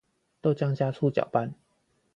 豆漿加醋攪拌